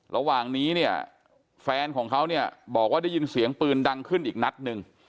ระหว่างนี้เนี่ยแฟนของเขาเนี่ยบอกว่าได้ยินเสียงปืนดังขึ้นอีกนัดหนึ่ง